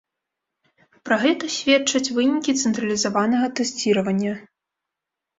Пра гэта сведчаць вынікі цэнтралізаванага тэсціравання.